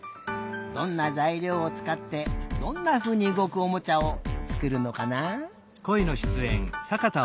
どんなざいりょうをつかってどんなふうにうごくおもちゃをつくるのかなあ？